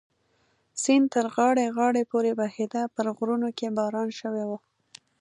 سیند تر غاړې غاړې پورې بهېده، په غرونو کې باران شوی و.